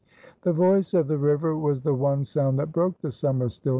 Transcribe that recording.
The voice of the river was the one sound that broke the summer stillness.